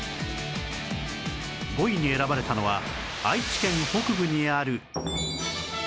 ５位に選ばれたのは愛知県北部にある